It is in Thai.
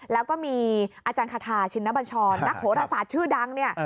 แล้วก็มีอาจารย์คาทาชินบัญชรนักโหรศาสตร์ชื่อดังเนี่ย